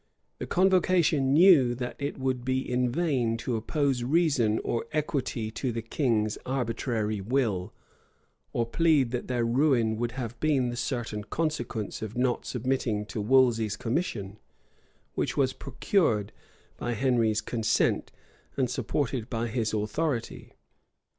[*] The convocation knew, that it would be in vain to oppose reason or equity to the king's arbitrary will, or plead that their ruin would have been the certain consequence of not submitting to Wolsey's commission, which was procured by Henry's consent, and supported by his authority.